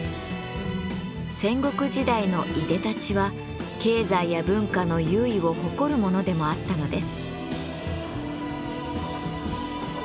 戦国時代のいでたちは経済や文化の優位を誇るものでもあったのです。